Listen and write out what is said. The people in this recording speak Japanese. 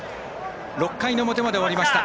６回の表まで終わりました。